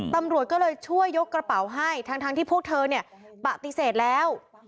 ตำรวจก็เลยช่วยยกกระเป๋าให้ทั้งที่พวกเธอเนี่ยปฏิเสธแล้ว